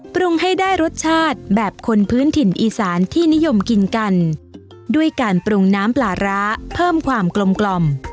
ปรุงให้ได้รสชาติแบบคนพื้นถิ่นอีสานที่นิยมกินกันด้วยการปรุงน้ำปลาร้าเพิ่มความกลมกล่อม